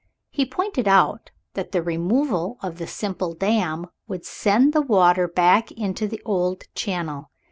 He pointed out that the removal of the simple dam would send the water back into the old channel.